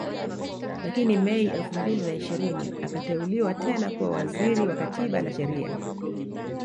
Lakini Mei elfu mbili na ishirini akateuliwa tena kuwa Waziri Wa Katiba na Sheria